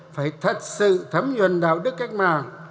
phải thật sự thấm nhuận đạo đức cách mạng